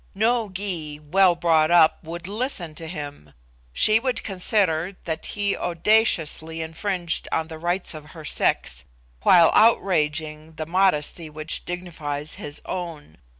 No Gy, well brought up, would listen to him; she would consider that he audaciously infringed on the rights of her sex, while outraging the modesty which dignifies his own.